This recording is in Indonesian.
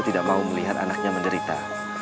tidak mau melihat anaknya menderita